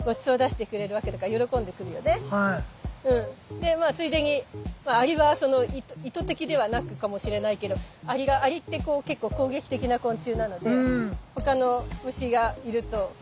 でまあついでにアリは意図的ではなくかもしれないけどアリって結構攻撃的な昆虫なので他の虫がいると追い払ってくれる。